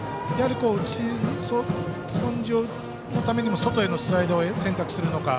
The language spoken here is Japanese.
打ち損じのためにも外へのスライダーを選択するのか。